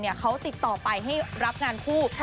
เขาติดต่อไปให้รับงานคู่